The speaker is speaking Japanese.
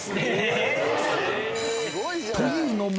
［というのも］